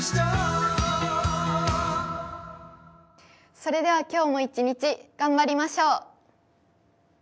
それでは今日も一日頑張りましょう。